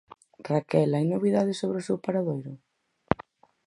Raquel, hai novidades sobre o seu paradoiro?